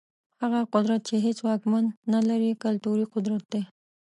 هغه قدرت چي هيڅ واکمن نلري، کلتوري قدرت دی.